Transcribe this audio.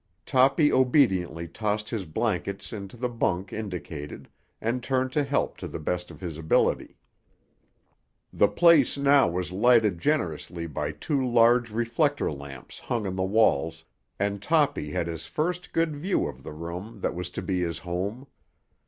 Toppy obediently tossed his blankets into the bunk indicated and turned to help to the best of his ability. The place now was lighted generously by two large reflector lamps hung on the walls, and Toppy had his first good view of the room that was to be his home.